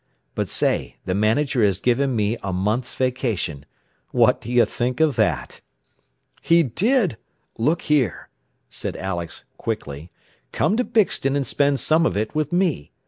"But say, the manager has given me a month's vacation. What do you think of that?" "He did! Look here," sent Alex quickly, "come to Bixton and spend some of it with me.